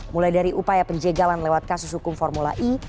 mulai dari upaya penjagalan lewat kasus hukum formula e